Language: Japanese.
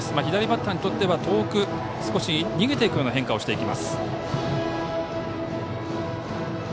左バッターにとっては遠く少し逃げていくような変化をしていきます。